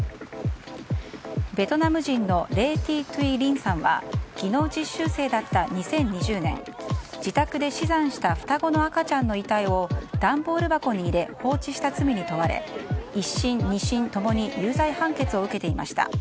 ベトナム人のレー・ティ・トゥイ・リンさんは技能実習生だった２０２０年自宅で死産した双子の赤ちゃんの遺体を段ボール箱に入れ放置した罪に問われ１審、２審ともに有罪判決を受けていました。